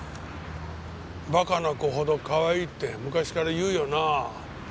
バカな子ほどかわいいって昔から言うよなあ。